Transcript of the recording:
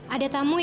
ada tamu ya